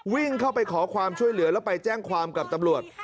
วิ่งเข้าไปขอความช่วยเหลือแล้วไปแจ้งความกับตำรวจ